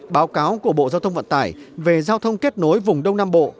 báo cáo của bộ giao thông vận tải về giao thông kết nối vùng đông nam bộ